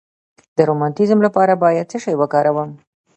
د روماتیزم لپاره باید څه شی وکاروم؟